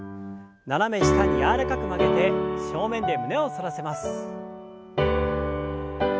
斜め下に柔らかく曲げて正面で胸を反らせます。